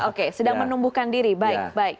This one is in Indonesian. oke sedang menumbuhkan diri baik baik